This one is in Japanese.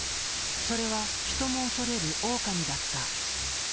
それはヒトも恐れるオオカミだった。